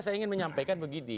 saya ingin menyampaikan begini